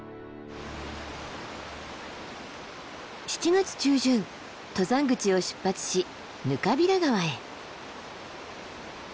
７月中旬登山口を出発し額平川へ。